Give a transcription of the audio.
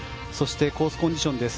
コースコンディションです。